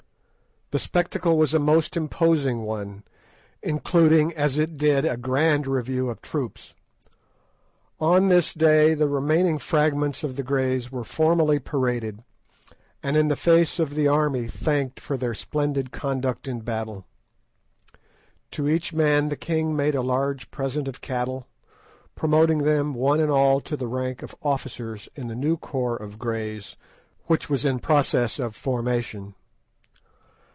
The spectacle was a most imposing one, including as it did a grand review of troops. On this day the remaining fragments of the Greys were formally paraded, and in the face of the army thanked for their splendid conduct in the battle. To each man the king made a large present of cattle, promoting them one and all to the rank of officers in the new corps of Greys which was in process of formation.